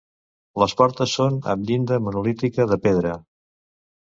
Les portes són amb llinda monolítica de pedra.